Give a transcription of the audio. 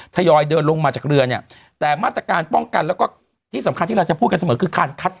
ยอยเดินลงมาจากเรือเนี่ยแต่มาตรการป้องกันแล้วก็ที่สำคัญที่เราจะพูดกันเสมอคือการคัด